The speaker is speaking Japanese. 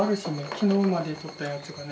昨日までとったやつがね。